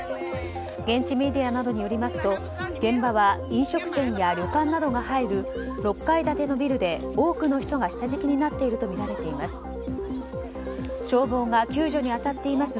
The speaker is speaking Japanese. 現地メディアなどによりますと現場は飲食店や旅館などが入る６階建てのビルで多くの人が下敷きになっているとみられています。